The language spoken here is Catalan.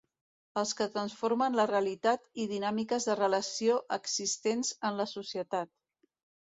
Els que transformen la realitat i dinàmiques de relació existents en la societat.